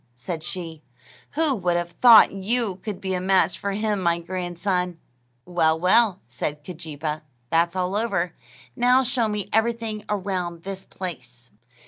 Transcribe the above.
said she; "who would have thought you could be a match for him, my grandson?" "Well, well," said Keejeepaa; "that's all over. Now show me everything around this place."